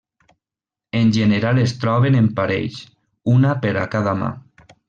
En general es troben en parells, una per a cada mà.